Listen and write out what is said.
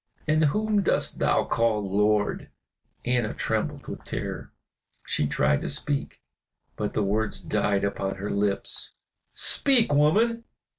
"And whom dost thou call Lord?" Anna trembled with terror, she tried to speak, but the words died upon her lips. "Speak, woman!"